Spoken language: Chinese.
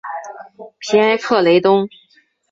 皮埃克雷东。